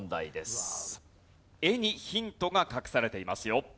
絵にヒントが隠されていますよ。